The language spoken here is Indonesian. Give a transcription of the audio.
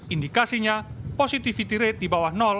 indikasinya positivity rate di bawah